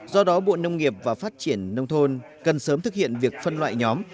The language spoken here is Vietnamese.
do đó bộ nông nghiệp và phát triển nông thôn cần sớm thực hiện việc phân loại nhóm